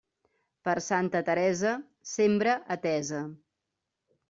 Per Santa Teresa, sembra a tesa.